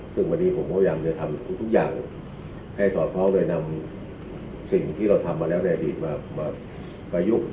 ซึ่งวันนี้ผมพยายามจะทำทุกอย่างให้สอดคล้องโดยนำสิ่งที่เราทำมาแล้วในอดีตมาประยุกต์